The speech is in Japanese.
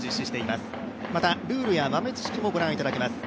またルールや豆知識もご覧いただけます。